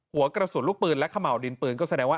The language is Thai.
หัวกระสุนลูกปืนและขม่าวดินปืนก็แสดงว่า